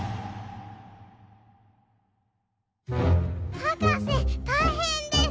はかせたいへんです！